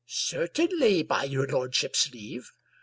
" Certainly, by your lordship's leave.